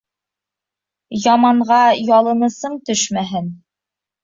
Яманға ялынысың төшмәһен.